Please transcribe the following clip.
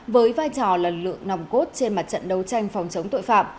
với vai trò lần lượng nòng cốt trên mặt trận đấu tranh phòng chống tội phạm